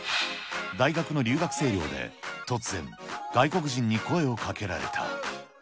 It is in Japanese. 大学の留学生寮で、突然、外国人に声をかけられた。